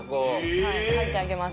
はいかいてあげます。